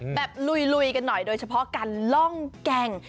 ลุยกันหน่อยโดยเฉพาะการล่องแก่ง